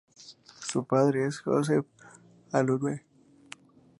Su padre es Joseph A. Unanue.